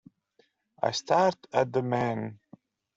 I stared at the man.